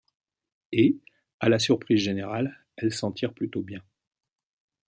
Et, à la surprise générale, elle s'en tire plutôt bien.